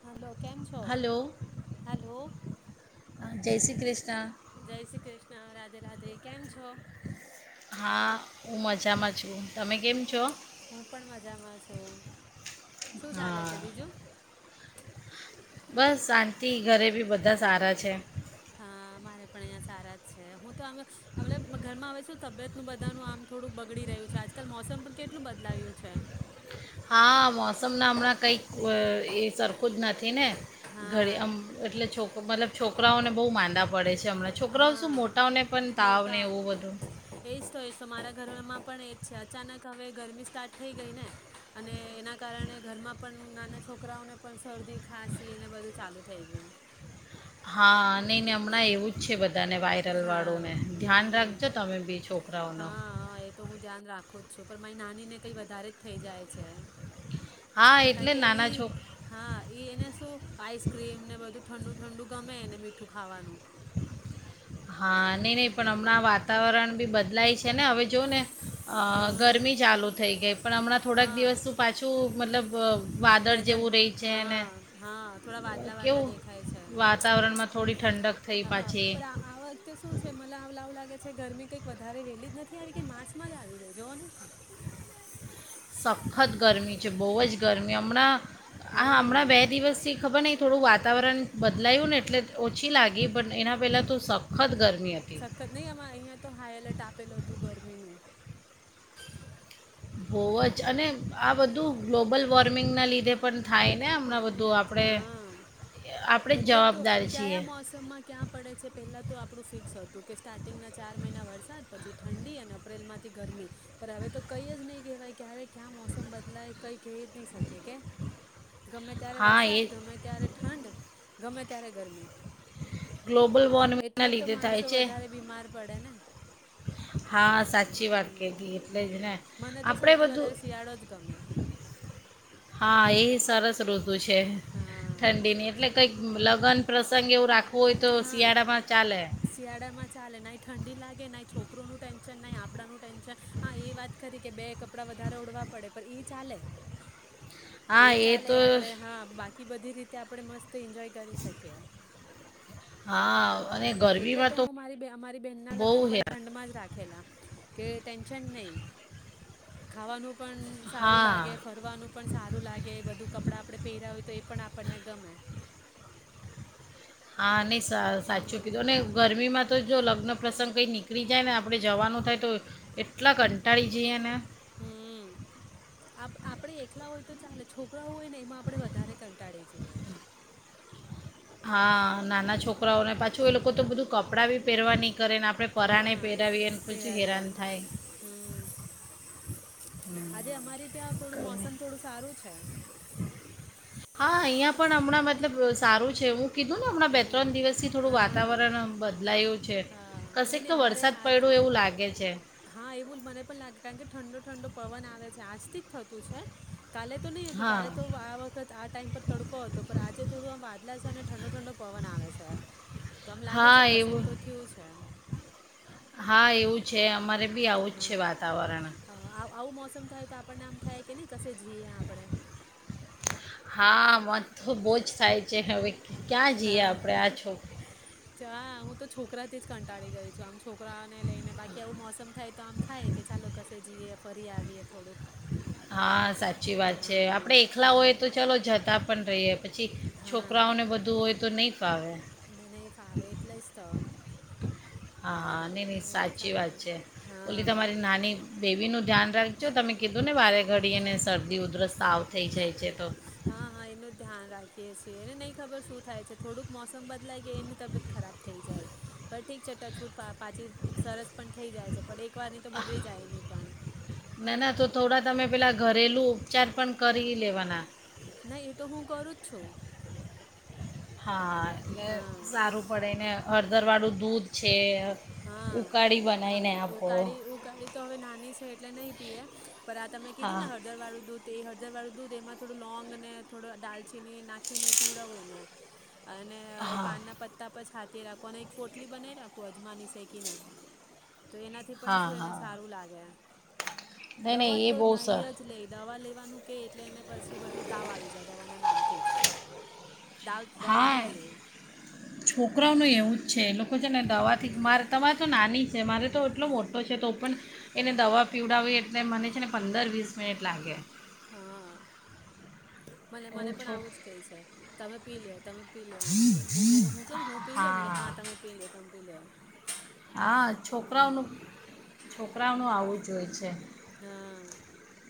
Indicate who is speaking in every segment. Speaker 1: હાલો કેમ છો?
Speaker 2: Hello
Speaker 1: hello.
Speaker 2: જય શ્રી ક્રિષ્ના.
Speaker 1: જય શ્રી કૃષ્ણ રાધે રાધે. કેમ છો?
Speaker 2: હા, ઉ મજામાં જ.
Speaker 1: હું પણ મજામાં છું. શું ચાલે છે
Speaker 2: હા
Speaker 1: બીજું?
Speaker 2: બસ શાંતિ ઘરે બી બધા સારા છે.
Speaker 1: હા, મારે પણ અહંયા સારા જ છે હું તો અવે અવલે ઘરમાં આવે શું તબિયત નું બધાનું આમ થોડુંક બગડી રહ્યું છે આજકાલ મોસમ પણ કેટલું બદલાવ્યું છે.
Speaker 2: હા મોસમના હમણાં કંઈક અ, એ સરખું જ નથી ને. ઘરે
Speaker 1: હા
Speaker 2: અમ એટલે છોક મતલબ છોકરાઓને બહુ માંદા પ પડે છે. હમણાં છોકરાઓ શું
Speaker 1: હા
Speaker 2: મોટાઓને પણ તાવને
Speaker 1: મોટા
Speaker 2: એવું બધું.
Speaker 1: એજ તો એ તો મારા ઘરમાં પણ એ જ છે અચાનક હવે ગરમી સ્ટાર્ટ થઈ ગઈ ને અને એના કારણે ઘરમાં પણ નાના છોકરાઓને પણ શરદી ખાંસી ને બધું ચાલુ થઈ ગયું.
Speaker 2: હા. નહીને હમણાં
Speaker 1: હમ
Speaker 2: એવું જ છે બધાને
Speaker 1: હા
Speaker 2: વાયરલવાળુંને ધ્યાન
Speaker 1: હમ
Speaker 2: રાખજો તમે બી છોકરાઓનો.
Speaker 1: ખો છું પણ મારી નાની ને કઈ વધારે જ થઈ જાય છે.
Speaker 2: હા
Speaker 1: કાય
Speaker 2: એટલે
Speaker 1: કે
Speaker 2: નાના
Speaker 1: ઈ
Speaker 2: છોક
Speaker 1: હા ઈ એને શું આઈસક્રીમ ને બધું ઠંડુ ઠંડુ ગમે એને મીઠ ઠું ખાવાનું.
Speaker 2: હા, નઈ નઈ પણ
Speaker 1: હા
Speaker 2: હમણાં વાતાવરણ બી બદ લાય છે ને હવે જોઓ ને. અ
Speaker 1: હમ
Speaker 2: ગરમી ચાલુ થઈ ગઈ પણ હમણાં થોડાક
Speaker 1: હા
Speaker 2: દિવસ શું પાછું મતલબ. બ વાદળ
Speaker 1: વેધર
Speaker 2: જેવું રહી છે, અને
Speaker 1: હા હા થોડા વાદલા વાદલા
Speaker 2: કેવું
Speaker 1: દેખાય છે
Speaker 2: વાતાવરણમાં થોડી ઠંડક થઈ
Speaker 1: હા
Speaker 2: પાછી.
Speaker 1: [unintelligible] શું છે મ આવ લવું લાગે. છે ગરમી કંઈક વધારે વેલી જ નથી આવી કે માર્ચમાં જ આવી ગઈ જોને.
Speaker 2: સખત ગરમી છે બહુ જ ગરમી હમણાં આ હમણાં
Speaker 1: હા
Speaker 2: બે દિવસ થી ખબર નય થોડું વાત વાતાવરણ બદલાયું ને એટલે ઓછી લાગી. પણ, એના પહેલાં તો સખત ગર
Speaker 1: સખત નહી, આમાં અહિયાં તો હાઈ એલર્ટ આપેલું હતું ગરમી નું.
Speaker 2: બહુ જ, અને આ બધું ગ્લોબલ વોર્મિંગના લીધે પણ થાય ને હમણાં બધું
Speaker 1: હમ
Speaker 2: આપણે
Speaker 1: હા!
Speaker 2: આપણે જ
Speaker 1: એટલે તો
Speaker 2: જવાબદાર છીએ
Speaker 1: ક્યાંયા મોસમમાં ક્યાં પડે છે, પેલા તો આપડું ફિક ફિક્સ હતું કે સ્ટાર્ટિંગ ના ચાર મહિના વરસાદ, પછી ઠંડી અને અપ્રિલ માંથી ગરમી પણ, હવે તો કંઈ જ નહી કહેવાય ક્યારે ક્યાં મોસમ બદલાય? કંઈ કેય જ નહી શકી કે. ગમે ત્યારે
Speaker 2: હા એ
Speaker 1: વરસાદ. ગમે ત્યારે ઠંડ ગમે ત્યારે ગરમી
Speaker 2: ગ્લોબલ વોર્મિંગ
Speaker 1: એટલે
Speaker 2: ના
Speaker 1: જ તો
Speaker 2: લીધે થાય
Speaker 1: માણસો
Speaker 2: છે.
Speaker 1: વધારે બીમાર પડે ને
Speaker 2: [inaudible] હા સાચી વાત કીધી એટલે જ
Speaker 1: હમ
Speaker 2: ને,
Speaker 1: મને તો
Speaker 2: આપડે
Speaker 1: સૌથી
Speaker 2: બધું
Speaker 1: વધારે શિયાળો જ ગમે
Speaker 2: હા એ સરાસ રોત [inaudible] ઋતુ છે.
Speaker 1: હા
Speaker 2: ઠંડીની એટલે કંઈક લગન પ્રસંગ એવુ કોઈ તો, શિયાળામાં ચાલે.
Speaker 1: શિયાળા માં ચાલે. ના ઠંડી લાગે, ના છોકરોનું ટેન્શન, ના આપણાનું ટેન્શન. હા એ વાત કરી કે, બે કપડાં વધારે ઓડવા પડે પણ એ ચાલે.
Speaker 2: હા
Speaker 1: એ ચાલે
Speaker 2: તો
Speaker 1: આપડે હા બાકી કે બધી રીતે આપણે મસ્ત તે એન્જોય કરી શકીએ.
Speaker 2: હા અને
Speaker 1: હમ એટલે
Speaker 2: ગરમીમાં
Speaker 1: તો, હું મારી મારી બેહેન ના
Speaker 2: બહુ
Speaker 1: લગ્ન
Speaker 2: હે
Speaker 1: પણ ઠંડમાં જ રાખેલા કે ટેન્શન નહી. ખાવાનું પણ સારું લાગે,
Speaker 2: હા
Speaker 1: ફરવાનું પણ સારું લાગે, બધું કપડા આપડે પહેર હોય તો એ પણ, આપણને ગમે.
Speaker 2: હા નઈ સાઅ સાચો કીધો,
Speaker 1: હમ
Speaker 2: અને ગરમીમાં તો જો લગ્ન પ્રસંગ કંઈ નીકળી જાય ને, આપણે જવાનું થાય, તો એટલા કંટાળી જઈએ ને.
Speaker 1: હમ આપ આપડે એકલા હોય તો ચાલે છોકરા હોય ને એમાં આપણેે વધારે કંટાળી જઈએ.
Speaker 2: હા નાના છોક છોકરાઓને પાછું, એ લોકો તો બધું
Speaker 1: હમ
Speaker 2: કપડાં બી પહેરવા ની કરીને આપણે પરાણે
Speaker 1: હા
Speaker 2: પહેરાવીએ પાછુ
Speaker 1: પહેરાવીએ
Speaker 2: હેરાન થાય.
Speaker 1: હમ આજે, અમારી ત્યાં થોડું
Speaker 2: કરીને
Speaker 1: મોસમ થોડું સારું છે.
Speaker 2: હા અહીંયા પણ હમણાં મતલબ સારું છે. હું કીધું ને હમણાં બે
Speaker 1: હમ
Speaker 2: ત્રણ દિવસથી થોડું
Speaker 1: હા
Speaker 2: વાતાવરણ બદલાયું છે
Speaker 1: હા નહીં
Speaker 2: કશેક
Speaker 1: નહીં
Speaker 2: તો
Speaker 1: અમારે
Speaker 2: વરસાદ
Speaker 1: આજ
Speaker 2: પડ્યો એવું લાગે છે.
Speaker 1: હા એવું મને પણ લાગે કારણ કે ઠંડો ઠંડો પવન આવે છે આજથી જ થતું છે. કાલે તો નહી હતું
Speaker 2: હા
Speaker 1: કાલે તો આ વખત આ ટાઈમ પર તડકો હતો પણ આજે થોડું આમ બ છે ઠંડો-ઠંડો પવન આવે છે તો એમ લાગે
Speaker 2: હા
Speaker 1: છે કશેક
Speaker 2: એવું
Speaker 1: તો થયું છે.
Speaker 2: હા એવું છે અમારે
Speaker 1: હમ,
Speaker 2: બી આવું જ
Speaker 1: હા.
Speaker 2: છે વાતાવરણ
Speaker 1: હા આવ- આવું મોસમ થાય તો આપણને આમ થાય કે ને કસે જીએ આપડે
Speaker 2: ન તો બહુ જ થાય છે હવે ક્યાં જઈએ આપણે આ છો
Speaker 1: ચા હું તો છોકરાથી જ કંટાળી ગઈ છું આમ છોકરાને લઈને બાકી આવું મોસમ થાય તો આમ થાય કે ચાલો કશે જઈએ ફરી આવીએ થોડુંક
Speaker 2: હા સાચ સાચી વાત છે
Speaker 1: હા
Speaker 2: આપણે એકલા
Speaker 1: હમ
Speaker 2: હોઈએ તો ચાલો જતા પણ રહીએ પછી છોકરાઓને બધું હોય તો નહીં ફાવે
Speaker 1: ના નયી ફાવે એટલાસ્ તો
Speaker 2: હા હા નહીં નહીં
Speaker 1: પણ
Speaker 2: સાચી
Speaker 1: ચાલે
Speaker 2: વાત છે
Speaker 1: હા
Speaker 2: ઓલી તમારી નાની બેબીનું ધ્યાન રાખજો તમે કીધું ને વારે ઘડી અને શરદી ઉધરસ તાવ થઈ જાય છે તો
Speaker 1: હા હા એનું ધ્યાન રાખીએ છીએ એને નહીં ખબર સુ થાય છે થોડુંક મોસમ બદલાય કે એની તબિયત ખરાબ થઈ જાય. પણ ઠીક છે ટચવુડ પાછી સરસ પણ થઈ જાય છે. પણ એક વાર ની તો બગડી જાય નહી પણ
Speaker 2: ના ના તો થોડા તમે પેલાં ઘરેલું ઉપચાર પણ કરી લેવાના
Speaker 1: ના એ તો હું કરું જ છું
Speaker 2: હા એટલે
Speaker 1: હા
Speaker 2: સારું પડે એને હળદર વાળું દૂધ છે. ઉકાળી
Speaker 1: હા
Speaker 2: બનાવીને આપો
Speaker 1: ઉકાળી ઉકાળી તો હવે નાની છે એટલે નહી પીએ પણ આ તમે કીધું
Speaker 2: હા
Speaker 1: ને હળદર વાળું દૂધ એ હ દરવારું દૂધ એમાં થોડું લોંગ ને થોડો દાલચીની નાખીને પીવડાવું એ ને અને એ
Speaker 2: હા
Speaker 1: પાનના પત્તા પણ છા તે રાખવાની એક પોટલી બનાવી રાખુ અજમાની શેકીને તો એનાથી પણ
Speaker 2: હા
Speaker 1: શું એને
Speaker 2: હા
Speaker 1: સારું લાગે
Speaker 2: નહીં
Speaker 1: દવા
Speaker 2: નહીં એ
Speaker 1: તો
Speaker 2: બહુ
Speaker 1: નહી
Speaker 2: સર
Speaker 1: જ લે દવા લઈ નું કે એટલે એને પછી બધું તાવ આવી જાય દવાના નામ થીજ
Speaker 2: હા છોકરાઓનું એવું છે લોકો છે ને
Speaker 1: હમ
Speaker 2: દવાથી મારે તમારે તો નાની છે મારે તો એટલો મોટો છે તો પણ એને દવા પીવડાવી એટલે મને છે ને પંદર વીસ મિનિટ લાગે
Speaker 1: હા મને મને
Speaker 2: હું
Speaker 1: પણ
Speaker 2: છોક
Speaker 1: આવું જ કે છે તમે પી લો તમે પી લો નાન કે હું મે હું કને હું પી્યો હા તમે પી લ બેલન
Speaker 2: હા છોકરાઓનું છોકરાઓનું આવું જોઈ છે
Speaker 1: હા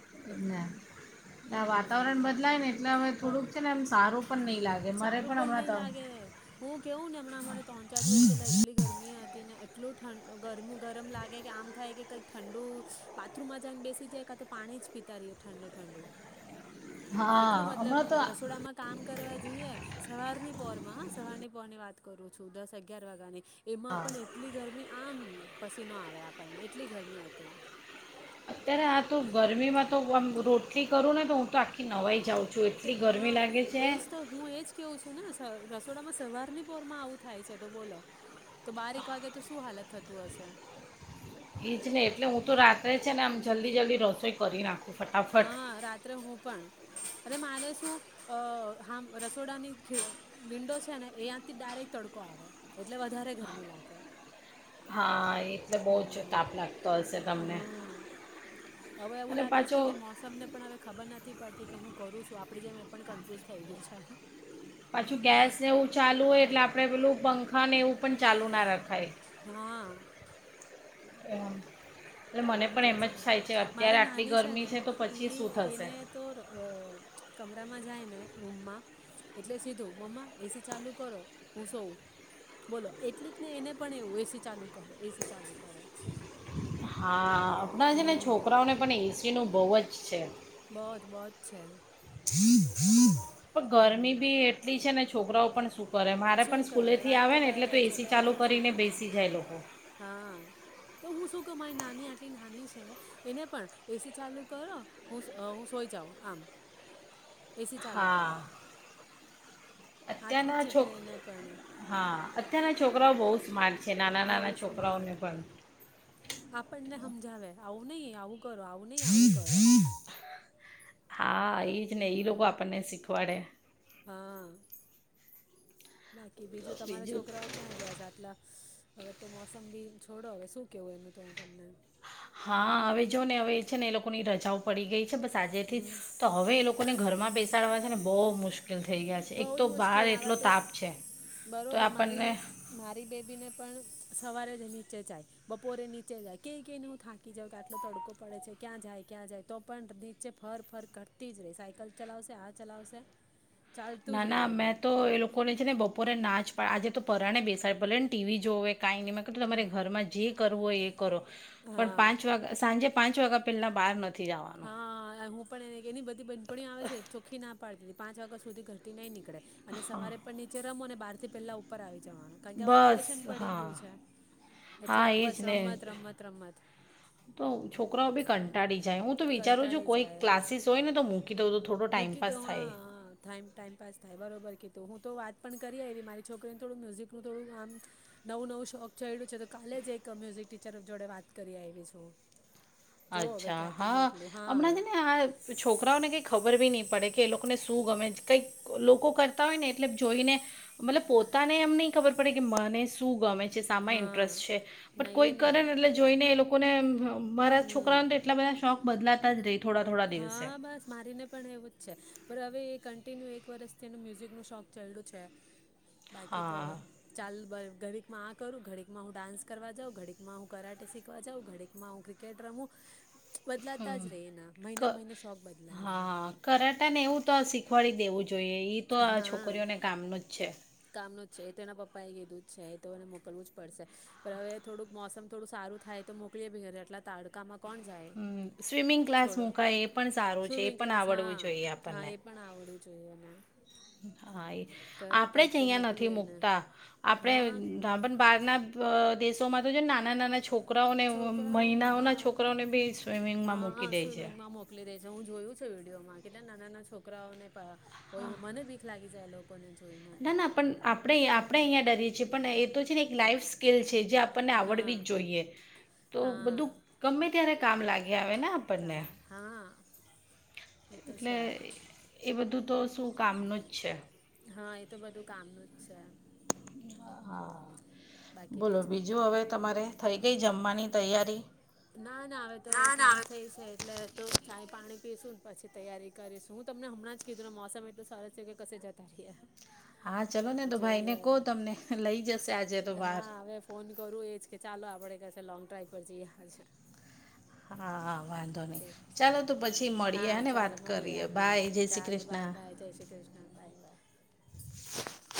Speaker 2: [inaudible] વાતાવરણ
Speaker 1: હમ
Speaker 2: બદલાય ને એલે અમે
Speaker 1: હ
Speaker 2: થોડુંક છે ને એમ સારું પણ નહીં લાગે મારે
Speaker 1: સારું પણ
Speaker 2: હમણાં
Speaker 1: નઈ
Speaker 2: તો
Speaker 1: લાગે હું કેવું ને હમણાં અમારે ત્રણ ચાર દિવસ પેલા એટલી ગરમી હતી... ને એટલું ઠડ ગરમું ગરમ લાગે કે આમ થાય કે કંઈક ઠંડુ બાથરૂમમાં જાયને બેસી જાય કા તો પાણી જ પીતા રહીએ ઠંડુ ઠંડુ એટલું
Speaker 2: હા
Speaker 1: મતલબ
Speaker 2: હમણાં તો
Speaker 1: રસોડામાં કામ કરવા જઈએ સવારની પોર માં સવાર ની પોરની વાત કરું છું દસ અગિયાર વાગ્યાની.. એમાં પણ એટલી ગરમી આમ.... પછી ન આવે આપણને એટલી ગરમી હતી
Speaker 2: અત્યારે આ તો ગરમીમાં તો આમ રોટલી કરું ને તો હું તો આખી નવાઈ જાઉં છ
Speaker 1: તો હા એજ તો હું એજ કેવું છું નેઅ રસ થોડામાં સવારની બરમાં આવું થાય છે તો બોલો તો બારેક વાગે તો શું હાલત થતું હશે
Speaker 2: એજ નહી એટલે હું તો રાત્રે છે ને આમ જલ્દી જલ્દી રસોઈ કરી નાખું છું
Speaker 1: હા રાત્રે હું પણ અરે માને શું અ હ રસોડાની વિન્ડો છે ને એ્યાંથી ડાયરેક્ટ તડકો આવે એટલે વધારે ગરમી લાગે
Speaker 2: હા એ... એટલે બહુ જ
Speaker 1: હમ
Speaker 2: તાપ લાગતો હશે તમને
Speaker 1: હમ હવે એવું
Speaker 2: અને
Speaker 1: લાગે છે
Speaker 2: પાછો
Speaker 1: કે મોસમને પણ હવે ખબર નથી પડતી કે હું
Speaker 2: [unintelligible]
Speaker 1: કરું છું આપડી જેમ એ પણ કન્ફ્યુઝ થઈ ગયું છે
Speaker 2: પાછું ગેસને એવું ચાલુ હોય એટલે આપણે પેલું પંખાને એવું પણ ચાલુ ના રખાય
Speaker 1: હા
Speaker 2: એમમ [unintelligible]
Speaker 1: ્છા મારી નાની છે
Speaker 2: ગરમી
Speaker 1: ને
Speaker 2: તો પછી
Speaker 1: ઈ
Speaker 2: શું થશે
Speaker 1: એને તો અ કમરામાં જાય ને રૂમમાં એટલે સીધું મમ્મા એસી ચાલુ કરો હું સો બોલો એટલીક ને એને પણ એવું એસી ચાલુ કરો એસી ચાલુ કરો
Speaker 2: હા આપણા છે ને
Speaker 1: હમ
Speaker 2: છોકરાઓને પણ એસી નું બહુ જ પચ્ છે
Speaker 1: બહ જ બહત છે.
Speaker 2: હમ હમ પણ ગરમી
Speaker 1: હમ
Speaker 2: બી એટલી છે ને, છોકરાઓ પણ શ સુખ કરે મારે
Speaker 1: શું
Speaker 2: પણ
Speaker 1: કરે
Speaker 2: સ્કૂલેથી
Speaker 1: વાત
Speaker 2: આવે ને એટલે, તો
Speaker 1: બરાબર
Speaker 2: એસી
Speaker 1: છોકરાઓ
Speaker 2: ચાલુ
Speaker 1: પણ શું
Speaker 2: કરીને
Speaker 1: કરે
Speaker 2: બેસી જાય, લોકો
Speaker 1: હા તો, હું શું ક મારી નાની આટલી નાની છે. એને પણ એસી ચાલુ કરો હું, સોઈ જાઉં આમ એસી ચાલુ કરો
Speaker 2: હા
Speaker 1: આટલી જ
Speaker 2: અત્યારના
Speaker 1: છે
Speaker 2: છોક
Speaker 1: પણ એને પણ
Speaker 2: હા, અત્યારના છોક ઓરા બહુ માર છે નાના
Speaker 1: બહુ
Speaker 2: નાના
Speaker 1: સ્માર્ટ
Speaker 2: છોકરાઓને પણ
Speaker 1: આપણને સમજાવે આવું નહી, આવું કરો આવું નહી, આવું કરો
Speaker 2: હા એ, જ ને એ
Speaker 1: હા
Speaker 2: લોકો આપણને શીખવાડે
Speaker 1: હા બાકી બીજું તમારા છોકરાઓ ક્યાં ગયા છે આટલા હવે તો મોસમ બી છોડો હવે, શું કેવું એનું તો હું, તમને
Speaker 2: હા હવે જો ને હવે છે ને એ લોકોની રજાઓ પડી ગઈ બસ આજે થી તો હવે એ લોકો ને ઘરમાં બેસાડવાય છે ને બહુ મુશ્કેલ થઈ ગયા છે
Speaker 1: બહ,
Speaker 2: એક
Speaker 1: જ
Speaker 2: તો બહાર
Speaker 1: મુશ્કેલ
Speaker 2: એટલો
Speaker 1: આવા તો
Speaker 2: તાપ છે તો
Speaker 1: બરોબર મારી
Speaker 2: આપણને
Speaker 1: મારી બેબીને પણ સવારે નીચે જાય બપોરે નીચે જાય ક કને હું થાકી જઉ કે આટલો તડકો પડે છે ક્યાં જાય ક્યાં જાય તો પણ નીચે ફર ફર કરતી જ રહી સાયકલ ચલાવશે આ ચલાવશે ચાલતું
Speaker 2: ના
Speaker 1: જ રહે
Speaker 2: ના
Speaker 1: એનું
Speaker 2: મેં, તો એ લોકો લ છે ને, બપોરે નાચ પણ આજે તો પરરાણે બેસાડ પલે ને ટીવી જો હોવે કઈ નહીમાં કેટલ તમારે ઘરમાં જે કરવું હોય એ કરો પણ,
Speaker 1: હા
Speaker 2: પાંચ વાગ સાંજે પાંચ પેલા, બહાર નથી જવાનું
Speaker 1: હા, હું પણ એને એની બધી બંધપણી આવે છે. ચોખ્ખી ના પાડતી પાં વાગ્યા સુી ઘરતી નંની અને સવારે પણ નીચે રમો બારથી પહેલા ઉપર આવી જવાનું કારણ કે હવે
Speaker 2: બસ
Speaker 1: વેકેશન પડી
Speaker 2: હા
Speaker 1: ગયું છે એટલે
Speaker 2: હા
Speaker 1: આ
Speaker 2: એજ
Speaker 1: બસ
Speaker 2: ને
Speaker 1: રમત રમત રમત
Speaker 2: તો છોકરાઓ બી કંટાળી જાય હું વિચારુંું
Speaker 1: કંટાળી
Speaker 2: કોઈ
Speaker 1: જાય
Speaker 2: ક્લાસીસ હોય ને તો મૂકી દઉં તો થોડો
Speaker 1: મૂકી
Speaker 2: ટાઈમપાસ
Speaker 1: દઉં
Speaker 2: થાય
Speaker 1: પર કીધું હું તો વાત પણ કરી આયવી મારી છોકરીને થોડું મ્યુઝિકનું થોડું આમ નવું-નવું શોખ ચયળુ છે તો કાલે જ એક અ મ્યુઝિક ટીચર જોડે વાત કરી આયવી છું. જોઓ હવે
Speaker 2: અચ્છા.
Speaker 1: ક્યાંથી
Speaker 2: હા
Speaker 1: મોકલું હા
Speaker 2: હમણાં છે ને આ છોકરાઓને કઈ ખબ ર બી ની પડે કે લોકોને શું ગમે છે કઈક લોકો કરતા હોય ને એટલે જોઈને મતલબ પોતાને એમ નહીં ખબર પડે કે મને શું ગમે છે શામાં
Speaker 1: હા
Speaker 2: ઇન્ટરેસ્ટ છે પણ
Speaker 1: નહીં
Speaker 2: કોઈ
Speaker 1: એ
Speaker 2: કરે
Speaker 1: નહીં
Speaker 2: ને એટલે જોઈને એ લોક કોને એમ
Speaker 1: હમ
Speaker 2: છોકરાઓને તો એટલા બધા શોખ બદલાત તા જ રેય.
Speaker 1: હા બસ મારીને પણ એવું જ છે. પર હવે એ કન્ટિન્યુ એક વર્ષથી એનું મ્યુઝિકનો શોખ ચ્યડુ છે. બાકી તો હવે
Speaker 2: હા
Speaker 1: ચાલ બ ઘડીકમાં આ કરું, ઘડીકમાં હું ડાન્સ કરવા જાઉં, ઘડીકમાં હું કરાટે શીખવા જાઉં, ઘડીકમાં હું ક્રિકેટ રમું બદલાતા જ રેય એના.
Speaker 2: ક
Speaker 1: મહિને મહિને શોખ બદલાય
Speaker 2: હા
Speaker 1: એના
Speaker 2: કરાટા ને એવું તો આ શી શીખવાડી દેવું. જોઈએ ઈ તો આ
Speaker 1: હા
Speaker 2: છોકરીઓને કામનું જ છે.
Speaker 1: કામનું જ છે તો એના પપ્પા એ કીધું જ છે તો એને મોકલવું જ પડશે પર હવે થોડુંક મોસમ થોડું સારું થાય તો મોકલીએ ભી ઘરે આટલા તાડકામાં કોણ જાય
Speaker 2: હમ સ્વિમિંગ ક્લાસ
Speaker 1: છોડો
Speaker 2: મૂકાય એ પણ સારું છે એ
Speaker 1: સ્વિમિંગ
Speaker 2: પણ
Speaker 1: ક્લાસ
Speaker 2: આવડવું
Speaker 1: હા
Speaker 2: જોઈએ
Speaker 1: હા એ પણ આવડવું જોઈએ એને
Speaker 2: હમ્મ. હા એ
Speaker 1: કરું
Speaker 2: આપણેે
Speaker 1: કંઈક
Speaker 2: જ
Speaker 1: તો
Speaker 2: અહિયાં
Speaker 1: મોકલું
Speaker 2: નથી
Speaker 1: એને
Speaker 2: મુકતા આપણે
Speaker 1: હા
Speaker 2: અ પણ બાર ના પ દેશો તો અમાર તો જો ન નાના છોક કરાઓને
Speaker 1: છોકરાઓને
Speaker 2: મહિનાઓના
Speaker 1: હા
Speaker 2: છોકરાઓને બી સ્વિમિંગમાં
Speaker 1: હા હા
Speaker 2: મૂકી દેય છે.
Speaker 1: સ્વિમિંગમાં મોકલી દે હું જોયું છે વિડીયોમાં કેટલા નાના છોકરાઓને ય ઓ મને બીક લાગી જે લો
Speaker 2: ના ના પણ આપણે-આપણે અહીંયા ડરીએ છીએ પણ એ તો છે ને લાઈફ સ્કીલ છે જે આપણને
Speaker 1: હા
Speaker 2: આવડવી જ જોઈએ તો
Speaker 1: હા
Speaker 2: બધું ગમે ત્યારે કામ લાગે. ગી આવેને
Speaker 1: કામ
Speaker 2: આપણને
Speaker 1: લાગે હા એ તો
Speaker 2: એટલે
Speaker 1: છે
Speaker 2: એ બધું તો શું કામનું જ છે.
Speaker 1: હા એ તો બધું કામનું જ છે.
Speaker 2: હા બોલો બીજું હવે તમારે? થઈ ગઈ જમ્માની તૈયારી?
Speaker 1: ના ના હવે તો સાંજ થઈ છે એટલે તો ચાય પાણી પીશું ન પછી તૈયારી કરીશ હું તમને હમણાં જ કીધું ને મોસમ એટલ સરસ છે કે કશે જતા રહીએ.
Speaker 2: હા ચલોને તો ભાઈને
Speaker 1: જોઈએ
Speaker 2: કો
Speaker 1: હવે
Speaker 2: તમને લઈ જશે આજે તો બાહર.
Speaker 1: હા હવે ફોન કરું એ જ કે ચાલો આપણે કશે લોંગ ડ્રાઈવ પર જીએ. અચ્છા.
Speaker 2: હા આ
Speaker 1: ઠીક છે હા
Speaker 2: અને
Speaker 1: ચાલો
Speaker 2: વાત
Speaker 1: મળીએ
Speaker 2: કરીએ
Speaker 1: હા
Speaker 2: બાય જય શ્રી
Speaker 1: ચાલો
Speaker 2: કૃષ્ણ
Speaker 1: બાય-બાય જય શ્રી કૃષ્ણ બાય-બાય.
Speaker 2: હ